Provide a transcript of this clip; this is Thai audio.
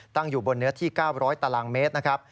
ตั้งอยู่บนเนื้อที่๙๐๐ตารางเมตรนะครับ